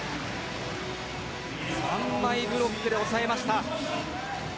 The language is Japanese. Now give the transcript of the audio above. ３枚ブロックで抑えました。